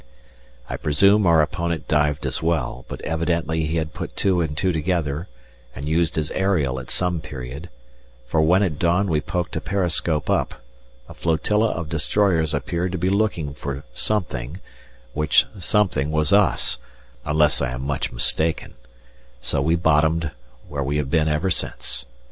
I presume our opponent dived as well, but evidently he had put two and two together and used his aerial at some period, for when at dawn we poked a periscope up, a flotilla of destroyers appeared to be looking for something, which "something" was us, unless I am much mistaken; so we bottomed, where we have been ever since.